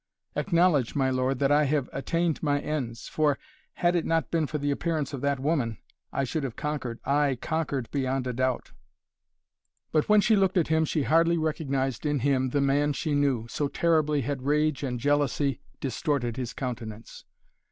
"Acknowledge, my lord, that I have attained my ends! For, had it not been for the appearance of that woman, I should have conquered ay conquered beyond a doubt." But when she looked at him she hardly recognized in him the man she knew, so terribly had rage and jealousy distorted his countenance.